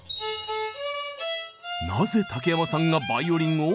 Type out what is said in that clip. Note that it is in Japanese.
なぜ竹山さんがバイオリンを？